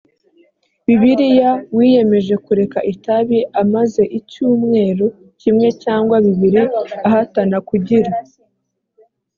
bibiliya wiyemeje kureka itabi amaze icyumweru kimwe cyangwa bibiri ahatana kugira